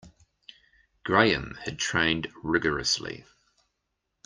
Graham had trained rigourously.